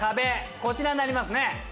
こちらになりますね。